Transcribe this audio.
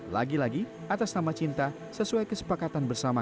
lagi lagi atas nama cinta sesuai kesepakatannya